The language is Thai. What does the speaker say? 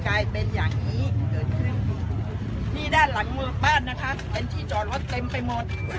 ไขแบนอย่างงี้เว่นก็นี่ด้านหลังหมู่บ้านนะคะเป็นที่จอรถเต็มไปหมด